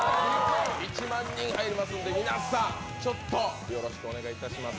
１万人入りますんで皆さん、よろしくお願いいたします